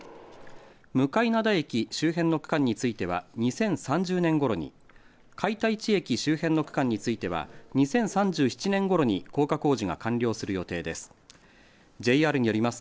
向洋駅周辺の区間については２０３０年ごろに海田市駅周辺の区間については２０３７年ごろに高架工事が完了する予定です。